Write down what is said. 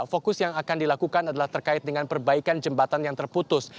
fokus yang akan dilakukan adalah terkait dengan perbaikan jembatan yang terputus